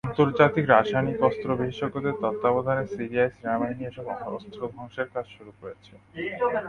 আন্তর্জাতিক রাসায়নিক অস্ত্র বিশেষজ্ঞদের তত্ত্বাবধানে সিরিয়ার সেনাবাহিনী এসব অস্ত্র ধ্বংসের কাজ শুরু করেছে।